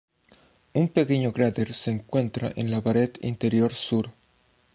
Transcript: Un pequeño cráter se encuentra en la pared interior sur.